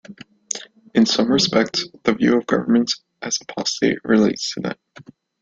In some respects the view of governments as apostate relates to that.